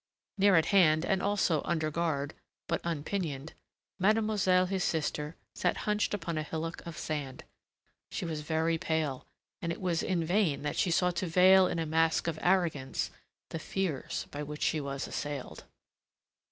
Near at hand, and also under guard, but unpinioned, mademoiselle his sister sat hunched upon a hillock of sand. She was very pale, and it was in vain that she sought to veil in a mask of arrogance the fears by which she was assailed.